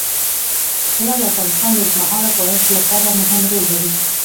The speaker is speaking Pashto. طلا د افغانستان د اوږدمهاله پایښت لپاره مهم رول لري.